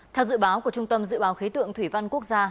theo dự báo của trung tâm dự báo khí tượng thủy văn quốc gia